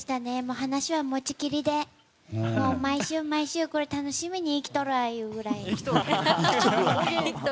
話はもちきりで毎週、毎週楽しみに生きとるわいうぐらい。